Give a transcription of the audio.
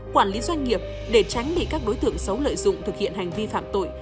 quản lý doanh nghiệp để tránh bị các đối tượng xấu lợi dụng thực hiện hành vi phạm tội